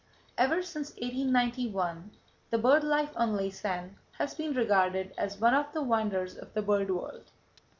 Ever since 1891 the bird life on Laysan has been regarded as one of the wonders of the bird world.